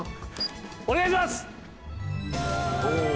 お願いします！